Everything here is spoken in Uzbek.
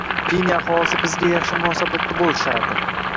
Pinya aholisi bizga yaxshi munosabatda bo`lishardi